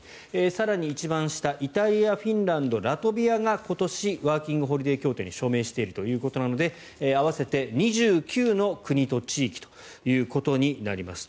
更に一番下、イタリアフィンランド、ラトビアが今年、ワーキングホリデー協定に署名しているということなので合わせて２９の国と地域となります。